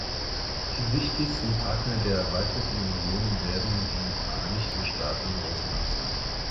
Die wichtigsten Partner der erweiterten Union werden die Vereinigten Staaten und Russland sein.